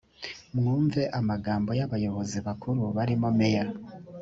mwumve amagambo y’abayobozi bakuru barimo meya